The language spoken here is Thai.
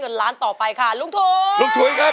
กว่าจะจบรายการเนี่ย๔ทุ่มมาก